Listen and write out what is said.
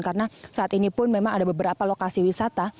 karena saat ini pun memang ada beberapa lokasi wisata